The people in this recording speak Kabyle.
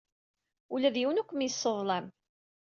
Ula d yiwen ur kem-yesseḍlam.